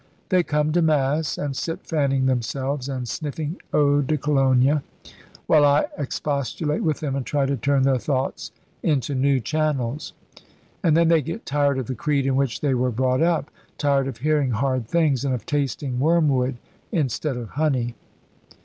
They come to Mass, and sit fanning themselves and sniffing eau de Cologne, while I expostulate with them and try to turn their thoughts into new channels. And then they get tired of the creed in which they were brought up; tired of hearing hard things, and of tasting wormwood instead of honey."